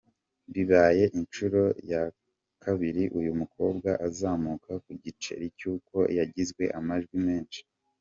Bibaye inshuro ya kabiri uyu mukobwa azamuka ku giceri cy’uko yagizw amajwi menshi.